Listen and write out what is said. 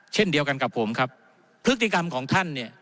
เช่นเดียวกันกับผมครับพฤติกรรมของท่านเนี่ย